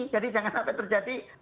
jadi jangan sampai terjadi